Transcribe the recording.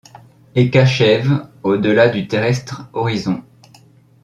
Et qu’achève, au delà du terrestre horizon ;